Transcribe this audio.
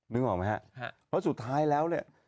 นึกออกไหมฮะเพราะสุดท้ายแล้วเนี่ย